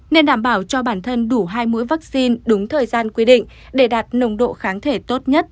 nên đảm bảo cho bản thân đủ hai mũi vaccine đúng thời gian quy định để đạt nồng độ kháng thể tốt nhất